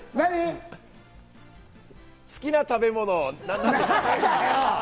好きな食べ物、何ですか？